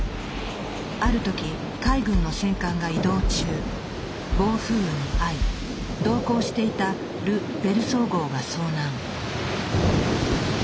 ある時海軍の戦艦が移動中暴風雨に遭い同行していたル・ベルソー号が遭難。